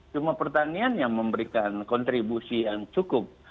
cuma pertanian yang memberikan kontribusi yang cukup